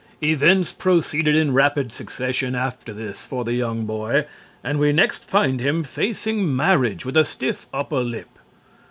Events proceeded in rapid succession after this for the young boy and we next find him facing marriage with a stiff upper lip.